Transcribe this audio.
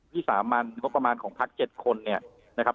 วิสามันงบประมาณของพัก๗คนเนี่ยนะครับ